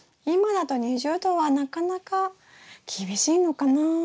今だと２０℃はなかなか厳しいのかな。